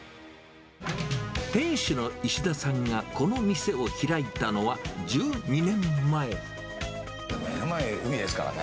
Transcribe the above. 店主の石田さんがこの店を開目の前、海ですからね。